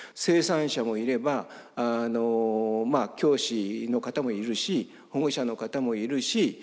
生産者もいれば教師の方もいるし保護者の方もいるし